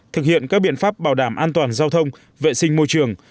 thực hiện các biện pháp bảo đảm an toàn giao thông vệ sinh môi trường